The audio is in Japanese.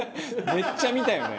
「めっちゃ見たよね」